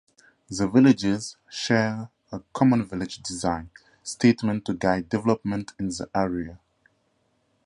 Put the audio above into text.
The villages share a common village design statement to guide development in the area.